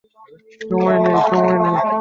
সময় নেই, সময় নেই।